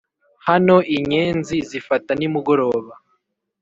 hano inyenzi zifata nimugoroba;